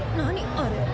あれ。